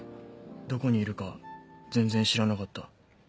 どこにいるか全然知らなかった。